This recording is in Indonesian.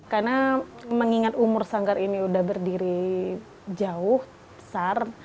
karena mengingat umur sanggar ini udah berdiri jauh besar